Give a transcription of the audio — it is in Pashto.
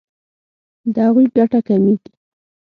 د هغوی ګټه کمیږي.